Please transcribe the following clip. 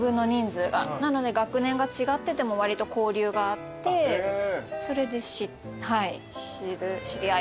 なので学年が違っててもわりと交流があってそれではい知り合いました。